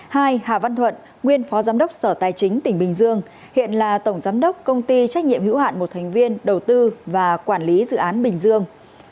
hai hà văn thuận nguyên phó giám đốc sở tài chính tỉnh bình dương hiện là tổng giám đốc công ty trách nhiệm hữu hạn một thành viên đầu tư và quản lý dự án bình dương